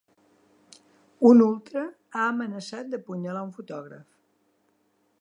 Un ultra ha amenaçat d’apunyalar un fotògraf.